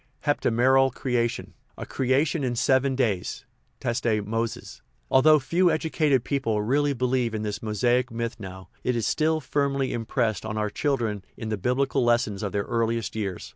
Heptameral creation ; a creation in seven days (teste Moses). Although few educated people really believe in this Mosaic myth now, it is still firmly im pressed on our children in the biblical lessons of their earliest years.